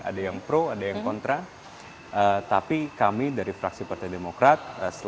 ada cushion tapi kami dari fraksi partai demokrat